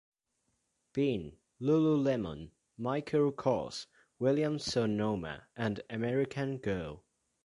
Bean, lululemon, Michael Kors, Williams-Sonoma, and American Girl.